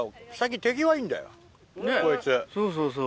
そうそうそう。